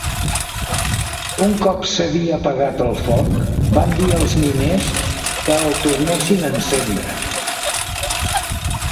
Un cop s'havia apagat el foc, van dir als miners que el tornessin a encendre.